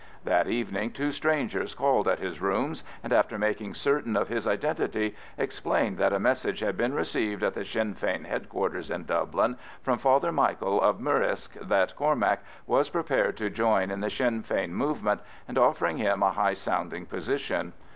That evening two strangers called at his rooms, and after making certain of his identity, explained that a message had been received at the Sinn Fein headquarters in Dublin from Father Michael of Murrisk that Cormac was prepared to join in the Sinn Fein movement, and offering him a high sounding position.